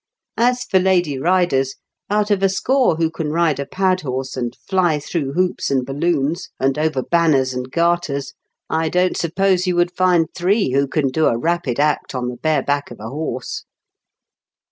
As for lady riders, out of a score who can ride a pad horse, and fly through hoops and balloons, and over banners and garters, I don't suppose you would find three who can do a rapid act on the bare back of a horse."